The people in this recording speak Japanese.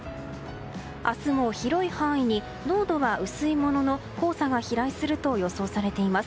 明日も広い範囲に濃度が薄いものの黄砂が飛来すると予想されています。